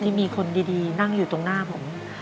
มีคนดีนั่งอยู่ตรงหน้าผม